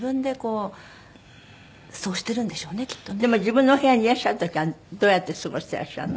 でも自分のお部屋にいらっしゃる時はどうやって過ごしていらっしゃるの？